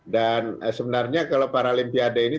dan sebenarnya kalau paralimpiade ini